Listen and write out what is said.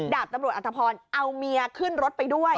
ดาบตำรวจอัตภพรเอาเมียขึ้นรถไปด้วย